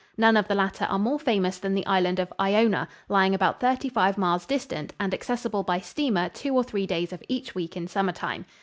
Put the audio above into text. None of the latter are more famous than the island of Iona, lying about thirty five miles distant and accessible by steamer two or three days of each week in summer time.